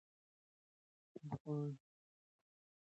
افغان ولس به سوکاله شي.